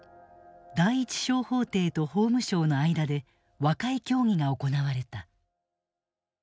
第一小法廷と法務省の間で和解協議が行われた。